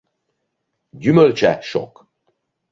Gyümölcse sok.